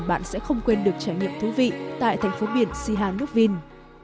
bạn sẽ không quên được trải nghiệm thú vị tại thành phố biển sihanoukville